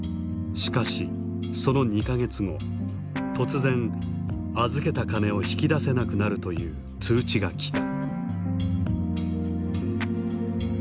しかしその２か月後突然預けた金を引き出せなくなるという通知が来た。